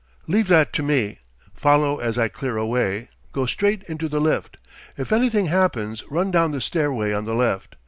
Leave that to me, follow as I clear a way, go straight into the lift. If anything happens, run down the stairway on the left.